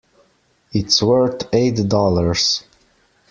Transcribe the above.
It's worth eight dollars.